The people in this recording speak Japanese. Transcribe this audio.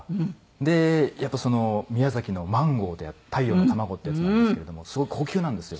でやっぱ宮崎のマンゴー太陽のタマゴってやつなんですけれどもすごい高級なんですよ。